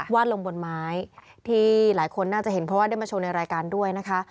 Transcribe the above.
วาดลงบนไม้ที่หลายคนน่าจะเห็นเพราะว่าได้มาชมในรายการด้วยนะคะ